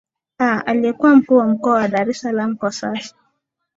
aah aliyekuwa mkuu wa mkoa wa dar es salam kwa sasa